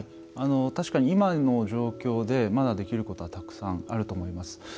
確かに今の状況でまだできることはたくさんあると思います。